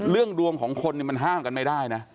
ดวงของคนมันห้ามกันไม่ได้นะ